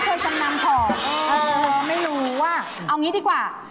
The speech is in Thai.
ไม่เคยจำนำของไม่รู้ว่าเอาอย่างนี้ดีกว่า